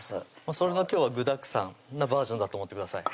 それの今日は具だくさんなバージョンだと思ってください